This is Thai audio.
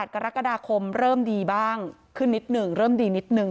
กรกฎาคมเริ่มดีบ้างขึ้นนิดหนึ่งเริ่มดีนิดนึง